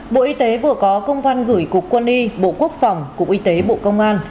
bộ y tế vừa có công văn gửi cục quân y bộ quốc phòng cục y tế bộ công an